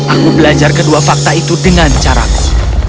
aku belajar kedua fakta itu dengan caraku